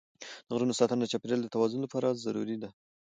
د غرونو ساتنه د چاپېریال د توازن لپاره ضروري ده.